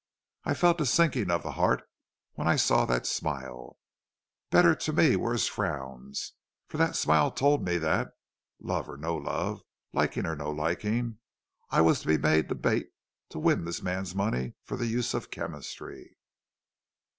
I felt a sinking of the heart when I saw that smile. Better to me were his frowns, for that smile told me that, love or no love, liking or no liking, I was to be made the bait to win this man's money for the uses of chemistry.